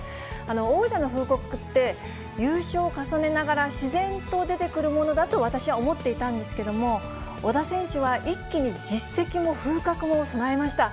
王者の風格って、優勝を重ねながら自然と出てくるものだと、私は思っていたんですけども、小田選手は一気に実績も風格も備えました。